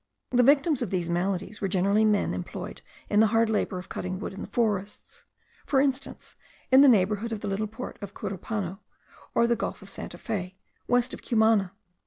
The victims of these maladies were generally men employed in the hard labour of cutting wood in the forests, for instance, in the neighbourhood of the little port of Carupano, or the gulf of Santa Fe, west of Cumana.